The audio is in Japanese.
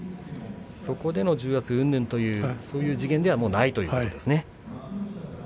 そこでの重圧うんぬんという話ではないということですね。